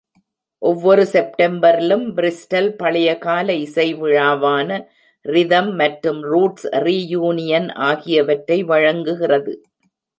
ஒவ்வொரு செப்டம்பரிலும், பிரிஸ்டல் பழைய கால இசை விழாவான ரிதம் மற்றும் ரூட்ஸ் ரீயூனியன் ஆகியவற்றை வழங்குகிறது.